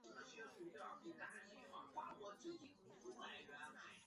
四川南溪人。